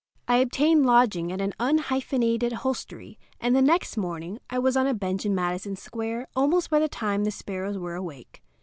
I obtained lodging at an unhyphenated hostelry, and the next morning I was on a bench in Madison Square almost by the time the sparrows were awake.